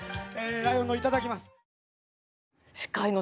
「ライオンのいただきます」。